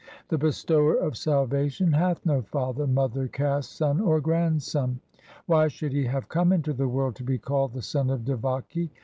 The Bestower of salvation hath no father, mother, caste, son, or grandson. Why should He have come into the world to be called the son of Devaki